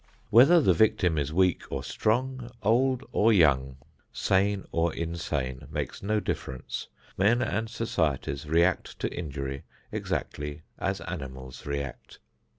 Whether the victim is weak or strong, old or young, sane or insane, makes no difference; men and societies react to injury exactly as animals react.